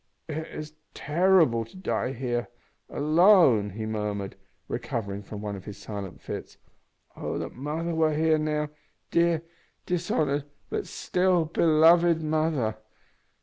"It is terrible to die here alone!" he murmured, recovering from one of his silent fits. "Oh that mother were here now! dear, dishonoured, but still beloved mother!